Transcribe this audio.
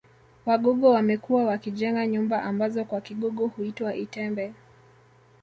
Wagogo wamekuwa wakijenga nyumba ambazo kwa Kigogo huitwa itembe